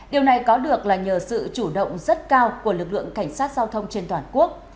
điều này có được là nhờ sự chủ động rất cao của lực lượng cảnh sát giao thông trên toàn quốc